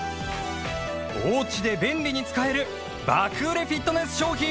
お家で便利に使える爆売れフィットネス商品！